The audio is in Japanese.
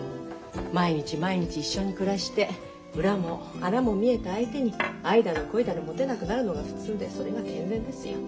毎日毎日一緒に暮らして裏も粗も見えた相手に愛だの恋だの持てなくなるのが普通でそれが健全ですよ。